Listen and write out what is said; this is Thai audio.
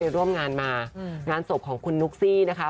ร่วมงานมางานศพของคุณนุ๊กซี่นะคะ